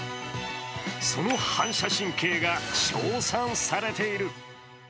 その反射神経が称賛されている。